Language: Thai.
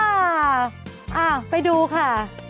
อ่าไปดูค่ะ